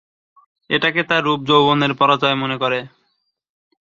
এটাকে তার রূপ-যৌবনের পরাজয় মনে করে।